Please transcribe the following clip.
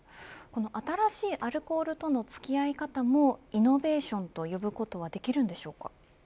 新しいアルコールとの付き合い方もイノベーションと呼ぶことができるのでしょうか。